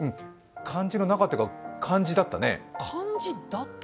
漢字の中というか漢字だったね。